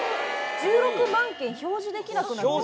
「１６万件」表示できなくなって。